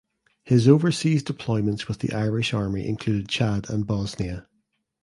His overseas deployments with the Irish Army included Chad and Bosnia.